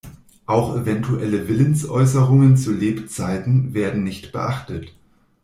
Auch eventuelle Willensäußerungen zu Lebzeiten werden nicht beachtet.